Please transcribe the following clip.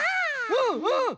うんうん！